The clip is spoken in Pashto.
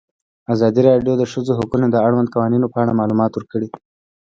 ازادي راډیو د د ښځو حقونه د اړونده قوانینو په اړه معلومات ورکړي.